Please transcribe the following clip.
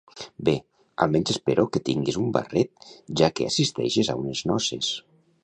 Bé, almenys espero que tinguis un barret ja que assisteixes a unes noces.